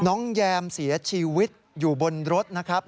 แยมเสียชีวิตอยู่บนรถนะครับ